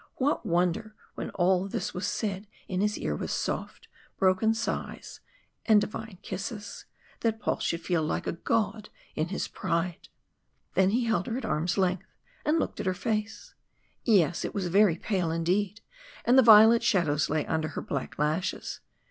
What wonder, when all this was said in his ear with soft, broken sighs and kisses divine, that Paul should feel like a god in his pride! Then he held her at arms' length and looked at her face. Yes, it was very pale indeed, and the violet shadows lay under her black lashes.